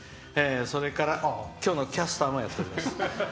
それから、今日のキャスターもやっております。